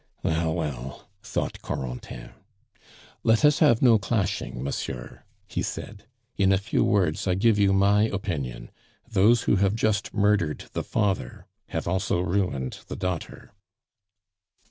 "Well, well," thought Corentin. "Let us have no clashing, monsieur," he said. "In a few words I give you my opinion Those who have just murdered the father have also ruined the daughter."